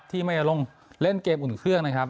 ที่ไม่ลงเล่นเกมอุ่นเครื่องนะครับ